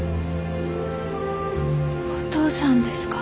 お父さんですか？